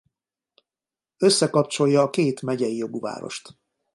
Összekapcsolja a két megyei jogú várost.